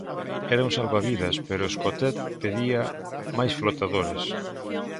Era un salvavidas, pero Escotet pedía máis flotadores.